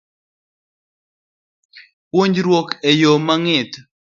Puonjruok e yo mong'ith